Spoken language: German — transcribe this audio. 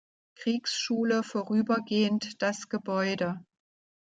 Kriegsschule vorübergehend das Gebäude.